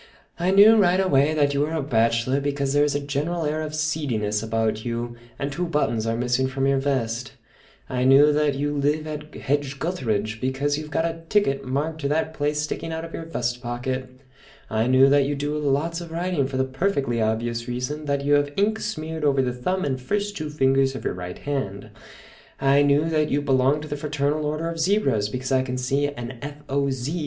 I knew right away that you were a bachelor, because there is a general air of seediness about you and two buttons are missing from your vest; I knew that you live at Hedge gutheridge, because you've got a ticket marked to that place sticking out of your vest pocket; I knew that you do lots of writing, for the perfectly obvious reason that you have ink smeared over the thumb and first two fingers of your right hand; I knew that you belong to the Fraternal Order of Zebras, because I can see an F. O. Z.